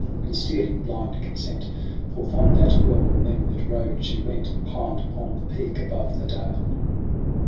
And stealing blind consent. Forth on that well remember'd road she went. And climb'd upon the peak above the dale.